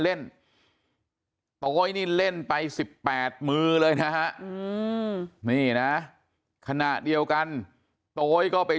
เล่นโต๊ยนี่เล่นไป๑๘มือเลยนะฮะนี่นะขณะเดียวกันโต๊ยก็ไป